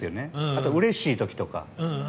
あと、うれしい時とか。